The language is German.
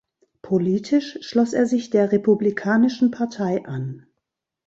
Politisch schloss er sich der Republikanischen Partei an.